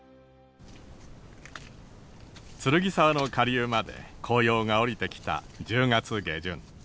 剱沢の下流まで紅葉が下りてきた１０月下旬。